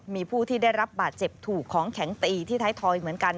มีผู้ที่ได้รับบาดเจ็บถูกของแข็งตีที่ท้ายทอยเหมือนกัน